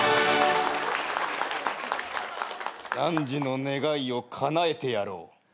なんじの願いをかなえてやろう。